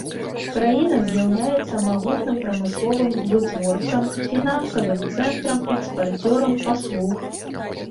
Краіна з'яўляецца магутным прамысловым вытворцам, фінансавым цэнтрам, экспарцёрам паслуг.